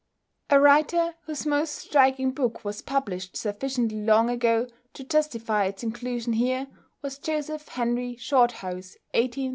A writer whose most striking book was published sufficiently long ago to justify its inclusion here, was =Joseph Henry Shorthouse (1834 )=.